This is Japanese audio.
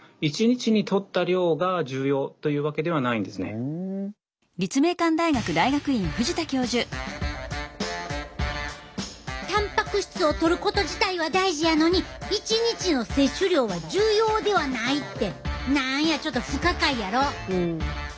実はたんぱく質をとること自体は大事やのに一日の摂取量は重要ではないって何やちょっと不可解やろ？